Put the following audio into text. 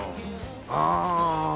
ああ！